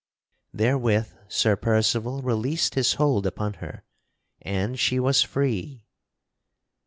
Therewith Sir Percival released his hold upon her and she was free.